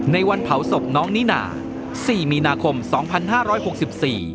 ในวันเผาศพน้องนิน่าสี่มีนาคมสองพันห้าร้อยหกสิบสี่